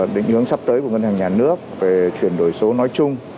định hướng sắp tới của ngân hàng nhà nước về chuyển đổi số nói chung